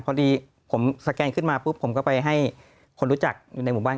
พอดีผมสแกนขึ้นมาปุ๊บผมก็ไปให้คนรู้จักอยู่ในหมู่บ้าน